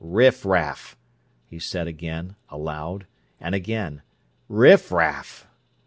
"Riffraff!" he said again, aloud, and again: "Riffraff!"